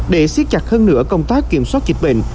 để siết chặt hơn nữa công tác kiểm soát dịch bệnh